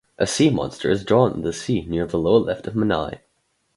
A sea monster is drawn in the sea near the lower left of Mani.